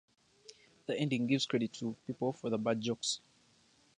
The ending gives credit to people for the bad jokes.